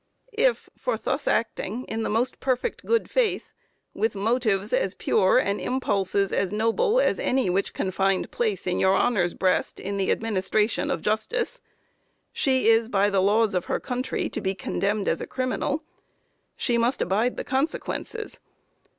If for thus acting, in the most perfect good faith, with motives as pure and impulses as noble as any which can find place in your honor's breast in the administration of justice, she is by the laws of her country to be condemned as a criminal, she must abide the consequences.